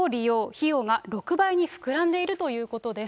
費用が６倍に膨らんでいるということです。